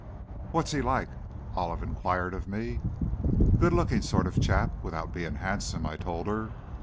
"What's he like?" Olive inquired of me. "Good looking sort of chap, without being handsome," I told her.